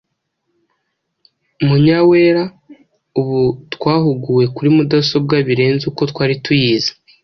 Munyawera:Ubu twahuguwe kuri mudasobwa birenze uko twari tuyizi.